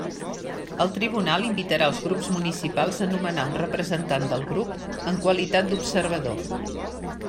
El tribunal invitarà als grups municipals a nomenar un representant del grup en qualitat d'observador.